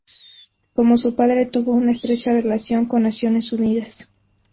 Como su padre, tuvo una estrecha relación con Naciones Unidas.